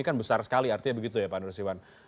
ini kan besar sekali artinya begitu ya pak nusirwan